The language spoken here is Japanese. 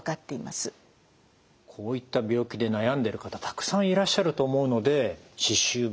こういった病気で悩んでる方たくさんいらっしゃると思うので歯周病